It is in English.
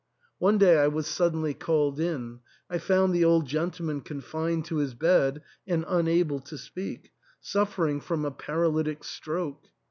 One day I was suddenly called in ; I found the old gentleman confined to his bed and unable to speak, suffering from a paralytic stroke.